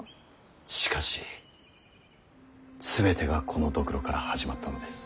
しかし全てがこのドクロから始まったのです。